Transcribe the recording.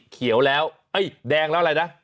เขียวแล้วแดงแล้วอะไรนะ